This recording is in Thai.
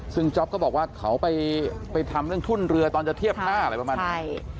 ซึ่งจ๊อปก็บอกว่าเขาไปทำเรื่องทุ่นเรือตอนจะเทียบหน้าอะไรประมาณนี้